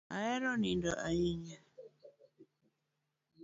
Ahero nindo ahinya.